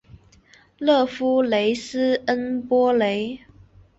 勒夫雷斯恩波雷。